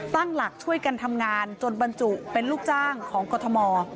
ตั้งหลักช่วยกันทำงานจนบรรจุเป็นลูกจ้างของกรทม